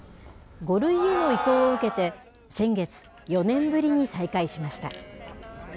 ５類への移行を受けて先月、４年ぶりに再開しました。